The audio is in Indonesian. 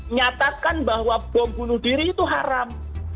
nyatakan bahwa bom bunuh diri itu haram